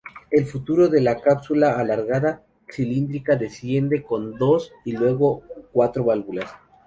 El fruto es una cápsula alargada, cilíndrica, dehiscente con dos y luego cuatro válvulas.